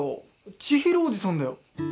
千尋おじさんだよ。